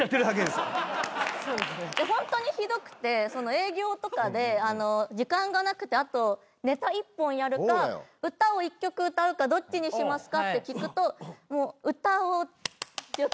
でホントにひどくて営業とかで時間がなくてあとネタ１本やるか歌を１曲歌うかどっちにしますか？って聞くと歌を。